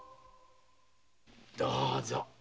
どうぞ。